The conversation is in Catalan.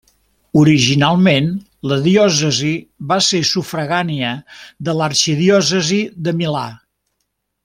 Originalment, la diòcesi va ser sufragània de l'arxidiòcesi de Milà.